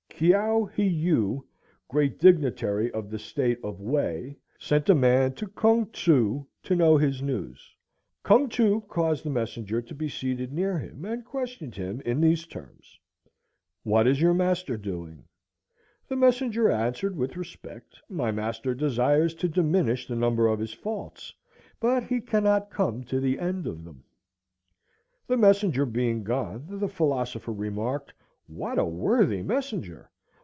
"Kieou he yu (great dignitary of the state of Wei) sent a man to Khoung tseu to know his news. Khoung tseu caused the messenger to be seated near him, and questioned him in these terms: What is your master doing? The messenger answered with respect: My master desires to diminish the number of his faults, but he cannot come to the end of them. The messenger being gone, the philosopher remarked: What a worthy messenger!